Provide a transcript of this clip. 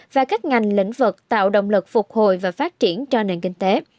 và các ngành lĩnh vực tạo động lực phục hồi và phát triển cho nền kinh tế